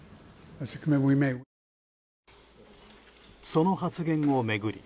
その発言を巡り